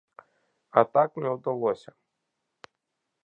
А так не ўдалося.